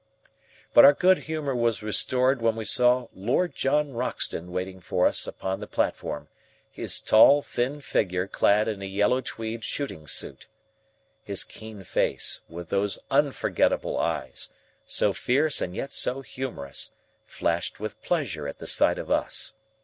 But our good humour was restored when we saw Lord John Roxton waiting for us upon the platform, his tall, thin figure clad in a yellow tweed shooting suit. His keen face, with those unforgettable eyes, so fierce and yet so humorous, flushed with pleasure at the sight of us.